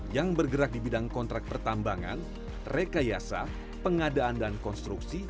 yang bergerak di bidang kontrak pertambangan rekayasa pengadaan dan konstruksi